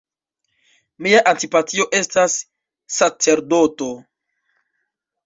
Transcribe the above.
Mia antipatio estas sacerdoto.